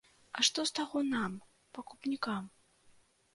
А што з таго нам, пакупнікам?